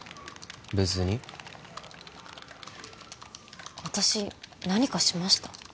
別に私何かしました？